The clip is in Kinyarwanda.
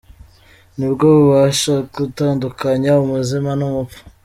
Nibwo bubasha gutandukanya umuzima n’ umupfu.